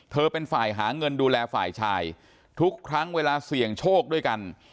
เป็นฝ่ายหาเงินดูแลฝ่ายชายทุกครั้งเวลาเสี่ยงโชคด้วยกัน